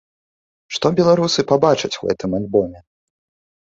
Што беларусы пабачаць у гэтым альбоме?